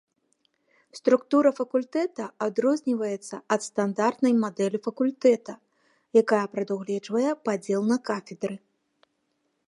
Структура факультэта адрозніваецца ад стандартнай мадэлі факультэта, якая прадугледжвае падзел на кафедры.